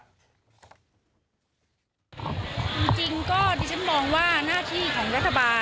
จริงก็ดิฉันมองว่าหน้าที่ของรัฐบาล